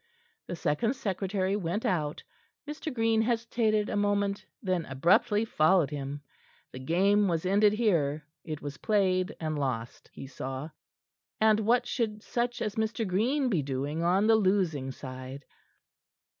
The second secretary went out. Mr. Green hesitated a moment, then abruptly followed him. The game was ended here; it was played and lost, he saw, and what should such as Mr. Green be doing on the losing side?